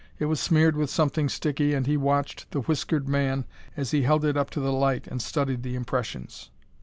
It was smeared with something sticky and he watched the whiskered man as he held it up to the light and studied the impressions.